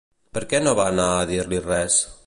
Per què no va anar a dir-li res?